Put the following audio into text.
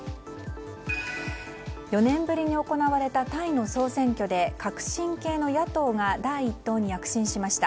４年ぶりに行われたタイの総選挙で革新系の野党が第１党に躍進しました。